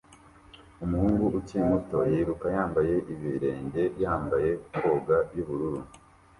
Umuhungu ukiri muto yiruka yambaye ibirenge yambaye koga yubururu